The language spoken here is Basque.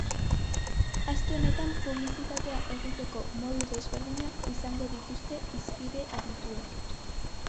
Aste honetan publizitatea egiteko modu desberdinak izango dituzte hizpide adituek.